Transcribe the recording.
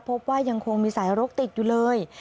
พบว่ายังคงมีสายรกติดอยู่เลย